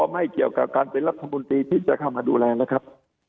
ไม่เกี่ยวกับการเป็นรัฐมนตรีที่จะเข้ามาดูแลนะครับ